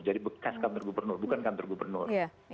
jadi bekas kantor gubernur bukan kantor gubernur